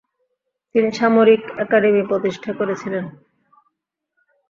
তিনি সামরিক একাডেমি প্রতিষ্ঠা করেছিলেন।